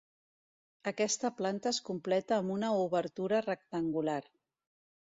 Aquesta planta es completa amb una obertura rectangular.